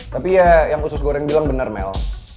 tapi ya yang khusus gue yang bilang bener mel